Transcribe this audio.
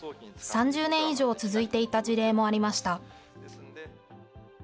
３０年以上続いていた事例もありました。